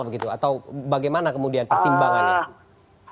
begitu atau bagaimana kemudian pertimbangannya